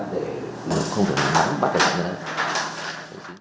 để không phải bắt đẩy nạn nhân